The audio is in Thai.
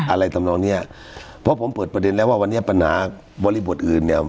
ทำนองเนี้ยเพราะผมเปิดประเด็นแล้วว่าวันนี้ปัญหาบริบทอื่นเนี่ย